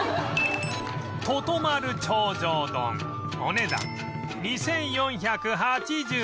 とと丸頂上丼お値段２４８０円